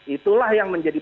itulah yang menjadi